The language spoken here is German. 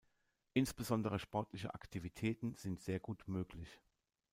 Insbesondere sportliche Aktivitäten sind sehr gut möglich.